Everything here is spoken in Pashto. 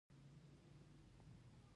ټکنالوجي د نوښت له لارې د ژوند کیفیت لوړوي.